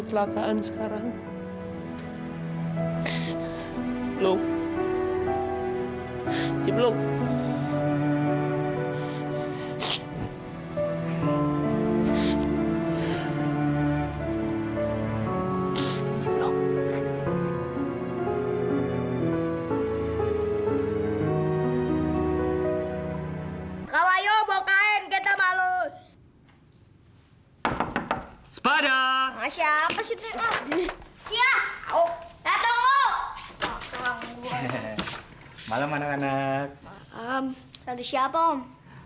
tante siapa om